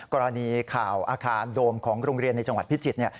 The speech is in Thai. กรณีข่าวอาคารโดมของโรงเรียนในจังหวัดพิจิตร